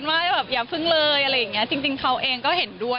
แต่จะยังไม่แต่งค่ะ